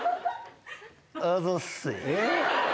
あぞっせ。